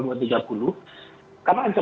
karena ancaman pidananya sepuluh tahun